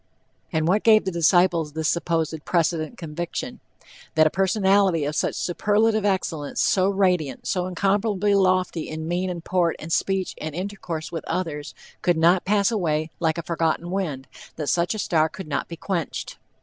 And what gave the disciples this supposed "precedent conviction?" "That a personality of such superlative excellence, so radiant, so incomparably lofty in mien and port and speech and intercourse with others, could not pass away like a forgotten wind, that such a star could not be quenched."